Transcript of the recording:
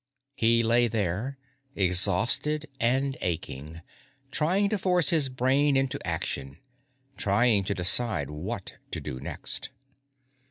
He lay there, exhausted and aching, trying to force his brain into action, trying to decide what to do next.